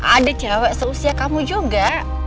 ada cewek seusia kamu juga